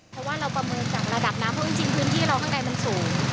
เพราะว่าเราประเมินจากระดับน้ำเพราะจริงพื้นที่เราข้างในมันสูง